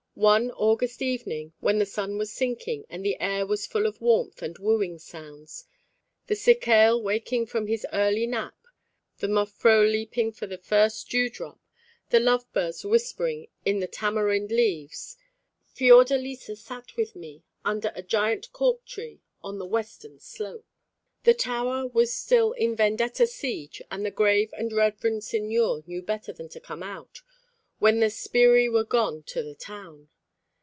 One August evening, when the sun was sinking, and the air was full of warmth and wooing sounds, the cicale waking from his early nap, the muffro leaping for the first dew drop, the love birds whispering in the tamarind leaves, Fiordalisa sat with me, under a giant cork tree on the western slope. The tower was still in Vendetta siege, and the grave and reverend Signor knew better than to come out, when the Sbirri were gone to the town.